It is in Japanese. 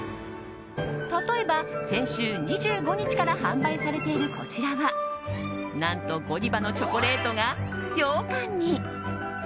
例えば、先週２５日から販売されているこちらは何と、ゴディバのチョコレートがようかんに。